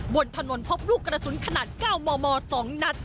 บนถนนพบลูกกระสุนขนาด๙มม๒นัด